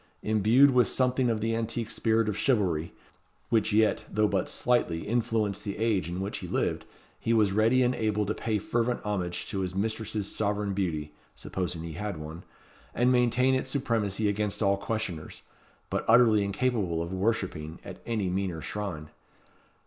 Imbued with something of the antique spirit of chivalry, which yet, though but slightly, influenced the age in which he lived, he was ready and able to pay fervent homage to his mistress's sovereign beauty (supposing he had one), and maintain its supremacy against all questioners, but utterly incapable of worshipping at any meaner shrine.